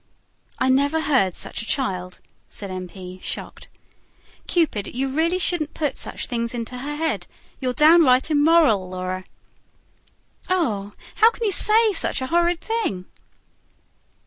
"I never heard such a child," said M. P., shocked. "Cupid, you really shouldn't put such things into her head. You're down right immoral, Laura." "Oh, how CAN you say such a horrid thing?"